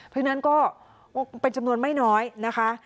เพราะฉะนั้นก็เป็นจำนวนไม่น้อยนะคะ